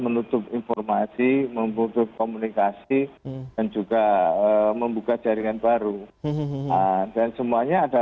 menutup informasi membutuhkan komunikasi dan juga membuka jaringan baru dan semuanya ada